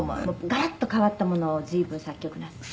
「ガラッと変わったものを随分作曲なさって」